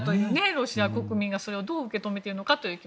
ロシア国民がそれをどう受け止めているのか。